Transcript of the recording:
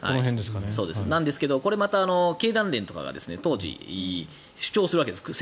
なんですけどこれまた、経団連とかが当時、政府側に主張するわけです。